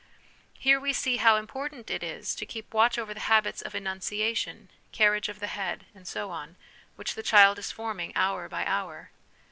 Here we see how important it is to keep watch over the habits of enunciation, carriage of the head, and so on, which the child is forming hour by hour.